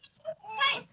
はい。